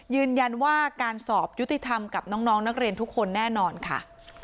ยืนยันว่าการสอบยุติธรรมกับน้องนักเรียนทุกคนแน่นอนค่ะ